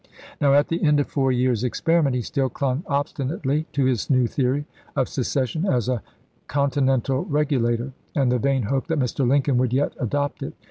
Now, at the end of four years' experiment, he still clung obsti nately to his new theory of secession as a " conti nental regulator," and the vain hope that Mr. Lin coln would yet adopt it.